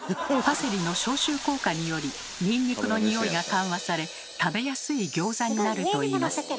パセリの消臭効果によりにんにくのニオイが緩和され食べやすいギョーザになるといいます。